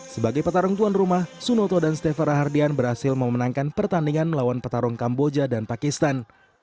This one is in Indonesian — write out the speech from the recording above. sebagai petarung tuan rumah sunoto dan stefara hardian berhasil memenangkan pertandingan melawan petarung kamboja dan pakistan